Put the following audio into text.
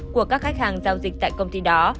của các khách hàng giao dịch tại công ty đó